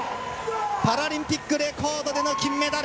パラリンピックレコードでの金メダル！